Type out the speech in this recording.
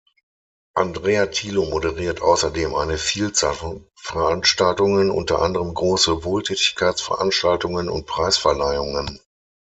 Andrea Thilo moderiert außerdem eine Vielzahl von Veranstaltungen, unter anderem große Wohltätigkeitsveranstaltungen und Preisverleihungen.